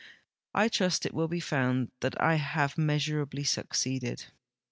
I trust it will be found that I have measurably succeeded.